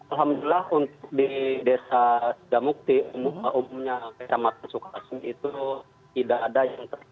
alhamdulillah untuk di desa damukti umumnya kesama kesama itu tidak ada yang terkena